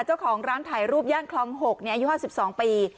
เจ้าของร้านถ่ายรูปย่างคลองหกเนี้ยอายุห้าสิบสองปี